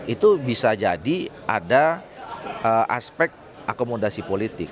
itu bisa jadi ada aspek akomodasi politik